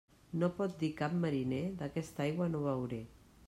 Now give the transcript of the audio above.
No pot dir cap mariner “d'aquesta aigua no beuré”.